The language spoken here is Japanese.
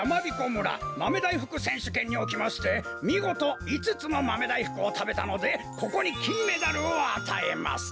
村まめだいふくせんしゅけんにおきましてみごと５つもまめだいふくをたべたのでここにきんメダルをあたえます。